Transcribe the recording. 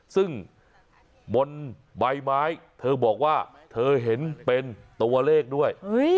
ซึ่งบนใบไม้เธอบอกว่าเธอเห็นเป็นตัวเลขด้วย